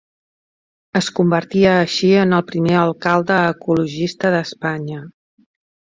Es convertia així en el primer alcalde ecologista d'Espanya.